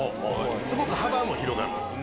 すごく幅も広がるんです。